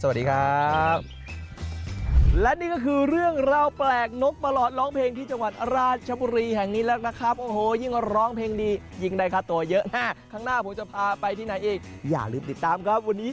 วันนี้ขอบคุณพี่บอลมากครับ